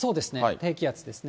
低気圧ですね。